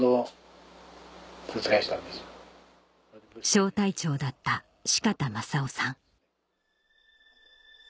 小隊長だった鹿田正夫さん